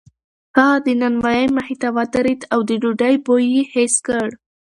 هغه د نانوایۍ مخې ته ودرېد او د ډوډۍ بوی یې حس کړ.